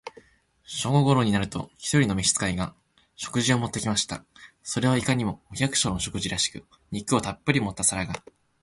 正午頃になると、一人の召使が、食事を持って来ました。それはいかにも、お百姓の食事らしく、肉をたっぶり盛った皿が、